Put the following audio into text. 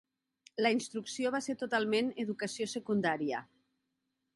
La instrucció va ser totalment educació secundària.